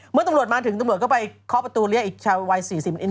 เมื่อตำรวจมาถึงตำรวจก็ไปเคาะประตูเรียกอีกชายวัย๔๐